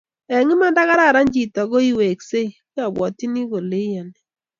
Eng Iman nda gararan chito koiweksei."Kyabwati kole iyani"